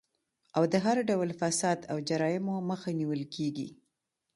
او د هر ډول فساد او جرايمو مخه نيول کيږي